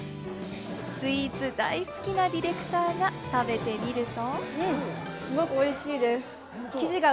スイーツ大好きなディレクターが食べてみると。